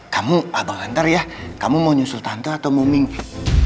kamu abang hantar ya kamu mau nyusul tante atau mau minggi